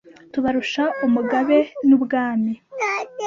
Tubarusha Umugabe n'ubwami